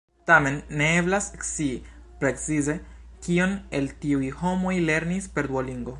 Tamen, ne eblas scii precize kiom el tiuj homoj lernis per Duolingo.